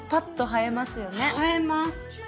映えます。